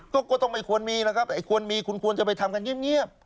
ก็ต้องไม่ควรมีแล้วครับไอ้ควรมีคุณควรจะไปทำกันเงียบ